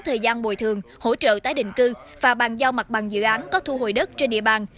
thời gian bồi thường hỗ trợ tái định cư và bàn giao mặt bằng dự án có thu hồi đất trên địa bàn